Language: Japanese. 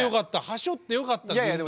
はしょってよかった軍団。